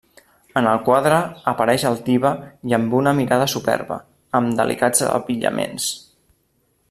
En el quadre apareix altiva i amb una mirada superba, amb delicats abillaments.